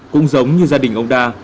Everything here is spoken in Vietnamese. cũng giống như gia đình ông đa